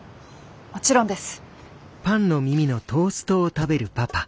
もちろんです。